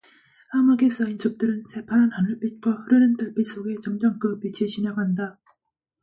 암흑에 싸인 숲들은 새파란 하늘빛과 흐르는 달빛 속에 점점 그 빛이 진해간다.